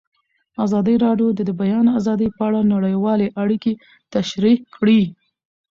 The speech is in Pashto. ازادي راډیو د د بیان آزادي په اړه نړیوالې اړیکې تشریح کړي.